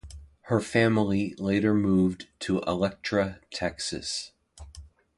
Her family later moved to Electra, Texas.